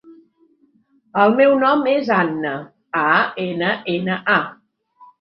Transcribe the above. El meu nom és Anna: a, ena, ena, a.